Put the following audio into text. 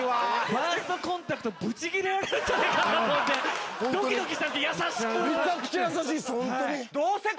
ファーストコンタクトブチギレられるんじゃないかなと思ってドキドキしたんですけど優しく。